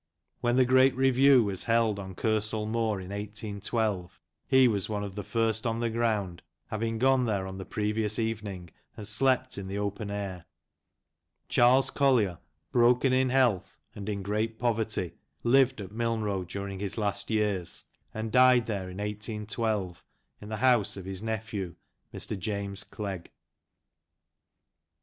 When the great review was held on Kersal Moor, in 18 12, he was one of the first on the ground, having gone there on the previous evening and slept in the open air. Charles Collier, broken in health, and in great poverty, lived at Milnrow during his last years, and died there in 181 2, in the house of his nephew, Mr. James Clegg.